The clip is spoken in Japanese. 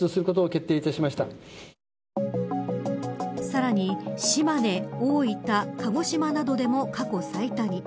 さらに島根、大分鹿児島などでも過去最多に。